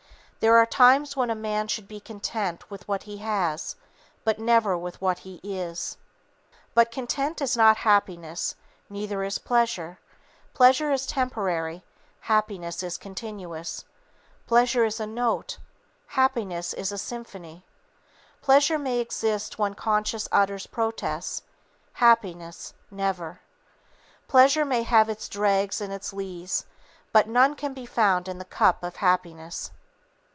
There are times when a man should be content with what he has, but never with what he is. But content is not happiness; neither is pleasure. Pleasure is temporary, happiness is continuous; pleasure is a note, happiness is a symphony; pleasure may exist when conscience utters protests; happiness, never. Pleasure may have its dregs and its lees; but none can be found in the cup of happiness.